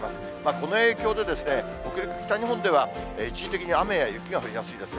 この影響で、北陸、北日本では、一時的に雨や雪が降りだすんですね。